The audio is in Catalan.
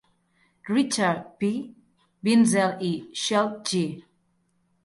Richard P. Binzel i Schelte J.